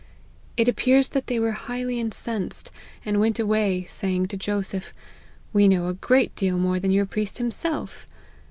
It appears that they were highly incensed, and went away, saying to Joseph, ' We know a great deal more than your priest himself.